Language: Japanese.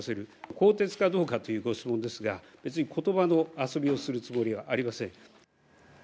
更迭かどうかというご質問ですが、別にことばの遊びをするつもりはありません。